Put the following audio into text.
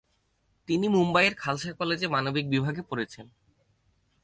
তিনি মুম্বাইয়ের খালসা কলেজে মানবিক বিভাগে পড়েছেন।